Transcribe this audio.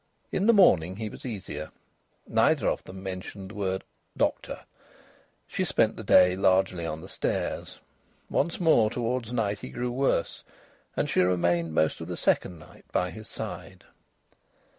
In the morning he was easier. Neither of them mentioned the word "doctor." She spent the day largely on the stairs. Once more towards night he grew worse, and she remained most of the second night by his side.